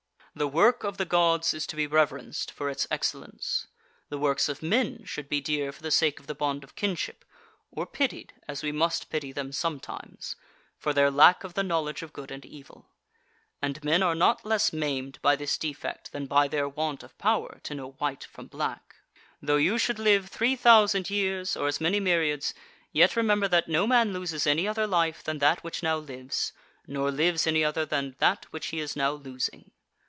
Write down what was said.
The work of the Gods is to be reverenced for its excellence. The works of men should be dear for the sake of the bond of kinship, or pitied, as we must pity them sometimes, for their lack of the knowledge of good and evil. And men are not less maimed by this defect than by their want of power to know white from black. 14. Though you should live three thousand ears or as many myriads, yet remember that no man loses any other life than that which now lives, nor lives any other than that which he is now losing.